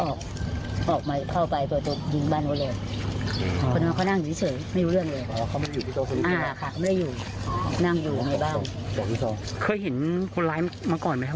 ออกก่อเหตุอย่างนี้ประจำแต่ยังไม่มีใครเคยเสียชีวิตนี้ครับ